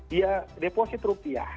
dia deposit rupiah